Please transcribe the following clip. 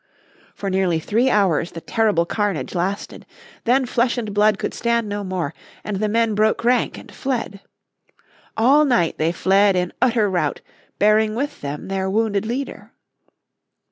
For nearly three hours the terrible carnage lasted. Then flesh and blood could stand no more, and the men broke rank and fled. All night they fled in utter rout, bearing with them their wounded leader.